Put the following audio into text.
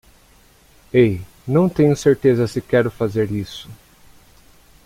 Ei? Não tenho certeza se quero fazer isso.